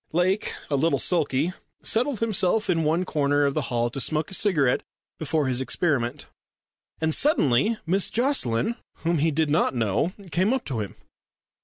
Lake, a little sulky, settled himself in one corner of the hall to smoke a cigarette before his experiment. And suddenly Miss Jocelyn, whom he did not know, came up to him.